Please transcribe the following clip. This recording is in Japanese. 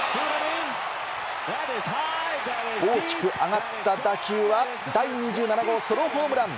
大きく上がった打球は第２７号ソロホームラン。